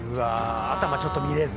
頭ちょっと見れず？